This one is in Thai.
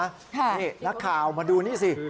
นี่นักข่าวมาดูนี่สิ